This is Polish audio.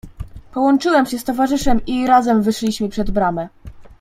"Połączyłem się z towarzyszem i razem wyszliśmy przed bramę."